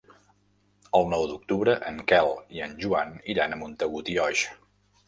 El nou d'octubre en Quel i en Joan iran a Montagut i Oix.